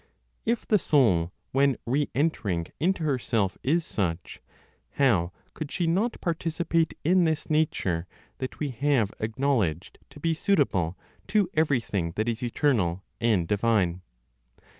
If the soul, when re entering into herself, is such, how could she not participate in this nature that we have acknowledged to be suitable to every thing that is eternal and divine?